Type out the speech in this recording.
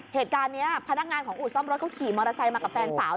เหตุการณ์นี้พนักงานของอู่ซ่อมรถเขาขี่มอเตอร์ไซค์มากับแฟนสาว